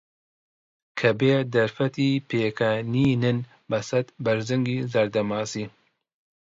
کەبێ دەرفەتی پێکەنینن بەسەد بەرزگی زەردە ماسی